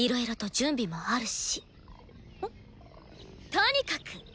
とにかく！